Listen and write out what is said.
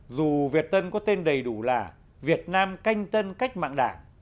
dù việt tân có tên đầy đủ là việt nam canh tân cách mạng đảng